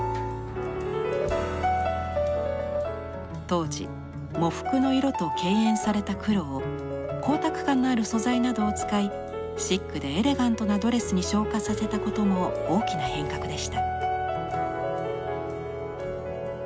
当時喪服の色と敬遠された黒を光沢感のある素材などを使いシックでエレガントなドレスに昇華させたことも大きな変革でした。